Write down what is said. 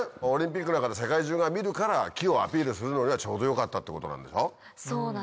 オリンピックだから世界中が見るから木をアピールするのにはちょうどよかったってことなんでしょう？